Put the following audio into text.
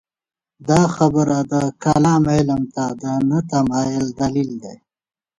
دا خبره د کلام علم ته د نه تمایل دلیل دی.